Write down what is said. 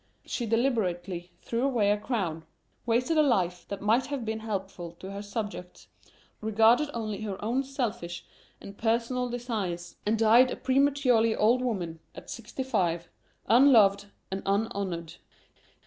She deliberately threw away a crown, wasted a life that might have been helpful to her subjects, regarded only her own selfish and personal desires, and died a prematurely old woman at sixty five, unloved and unhonored.